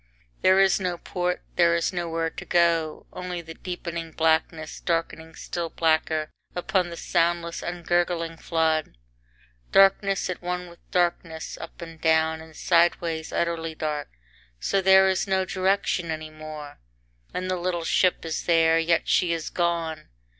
There is no port, there is nowhere to go only the deepening blackness darkening still blacker upon the soundless, ungurgling flood darkness at one with darkness, up and down and sideways utterly dark, so there is no direction any more and the little ship is there; yet she is gone.